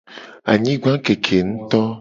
Anyigba keke nguto.